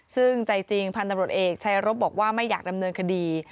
ซึ่งใจจริงพันธุ์ตำรวจเอกชายรบบอกว่าไม่อยากดำเนินคดี